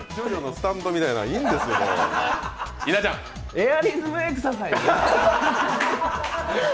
エアリズムエクササイズ？